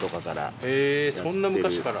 そんな昔から。